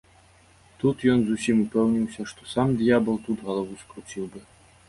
Тут ён зусім упэўніўся, што сам д'ябал тут галаву скруціў бы.